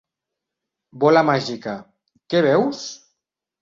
“Bola màgica, què veus?